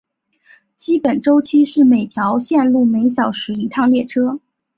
基本周期是每条线路每个小时一趟列车。